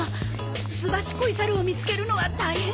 すばしっこい猿を見つけるのは大変だ。